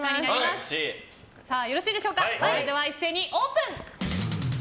それでは一斉にオープン！